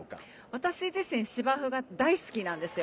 私自身芝生が大好きなんですよ。